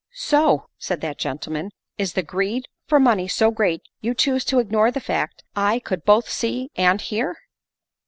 " So !" said that gentleman, '' is the greed for money so great you chose to ignore the fact I could both see and hear?"